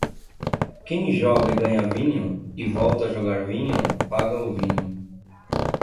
Quem joga e ganha vinho, e volta a jogar vinho, paga o vinho.